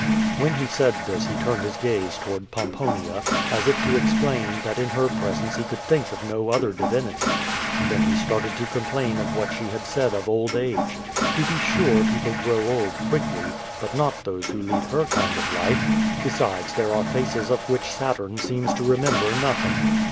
'^ When he said this he turned his gaze toward Pomponia, as if to explain, that in her presence he could think of no other divinity; then he started to complain of what she had said of old age. To be sure people grow old quickly — ^but not those who lead her kind of life. Besides there are faces of which Saturn seems to remember nothing.